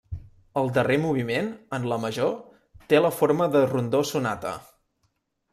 El darrer moviment, en la major, té la forma de rondó-sonata.